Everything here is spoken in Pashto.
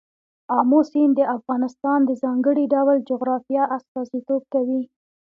آمو سیند د افغانستان د ځانګړي ډول جغرافیه استازیتوب کوي.